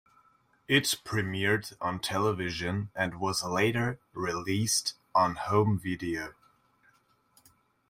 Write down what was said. It premiered on television and was later released on home video.